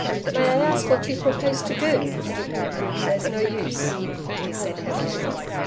'May I ask what you propose to do?' 'There's no use....' he said heavily.